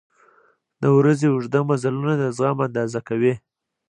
• د ورځې اوږده مزلونه د زغم اندازه کوي.